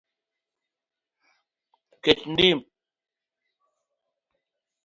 Ket dim